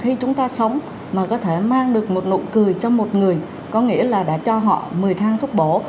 khi chúng ta sống mà có thể mang được một nụ cười cho một người có nghĩa là đã cho họ một mươi thang thuốc bổ